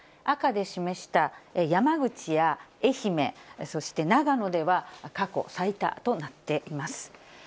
赤で示した山口や愛媛、そして長野では過去最多となっています。